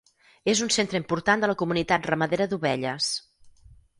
És un centre important de la comunitat ramadera d'ovelles.